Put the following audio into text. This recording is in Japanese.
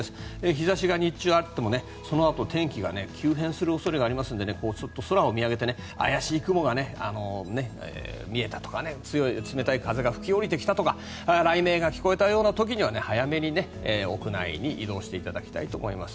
日差しが日中あってもそのあと天気が急変する恐れがありますので空を見上げて怪しい雲が見えたとか冷たい風が吹き降りてきたとか雷鳴が聞こえたような時は早めに屋内に移動していただきたいと思います。